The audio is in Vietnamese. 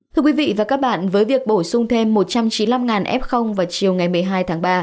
thưa quý vị và các bạn với việc bổ sung thêm một trăm chín mươi năm f vào chiều ngày một mươi hai tháng ba